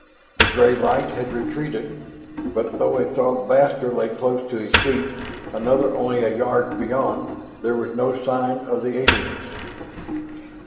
The gray light had retreated, but though a Throg blaster lay close to his feet, another only a yard beyond, there was no sign of the aliens.